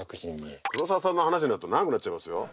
黒澤さんの話になると長くなっちゃいますよ。